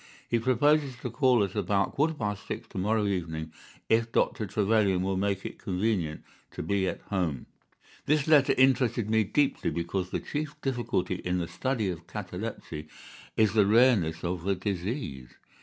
He proposes to call at about quarter past six to morrow evening, if Dr. Trevelyan will make it convenient to be at home.' "This letter interested me deeply, because the chief difficulty in the study of catalepsy is the rareness of the disease.